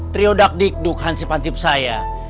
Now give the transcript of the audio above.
trio dakdikduk hansip hansip saya